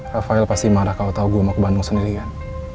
rafael pasti marah kalau tau gue mau ke bandung sendiri kan